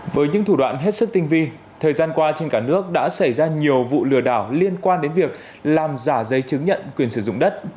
với những thủ đoạn hết sức tinh vi thời gian qua trên cả nước đã xảy ra nhiều vụ lừa đảo liên quan đến việc làm giả giấy chứng nhận quyền sử dụng đất